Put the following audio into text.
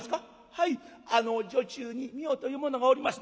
「はいあの女中にみよという者がおります」。